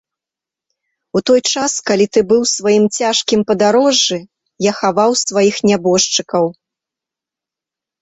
У той час, калі ты быў у сваім цяжкім падарожжы, я хаваў сваіх нябожчыкаў.